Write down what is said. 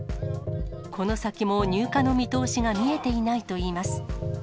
この先も入荷の見通しが見えていないといいます。